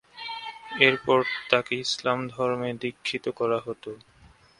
এরপর তাকে ইসলাম ধর্মে দীক্ষিত করা হতো।